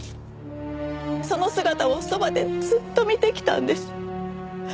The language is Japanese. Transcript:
その姿をそばでずっと見てきたんです。